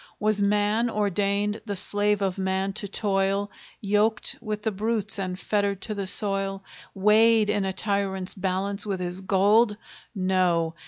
Was man ordained the slave of man to toil, Yoked with the brutes, and fettered to the soil, Weighed in a tyrant's balance with his gold? No!